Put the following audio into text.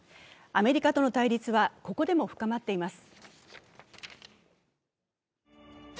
アメリカとの対立はここでも深まっています。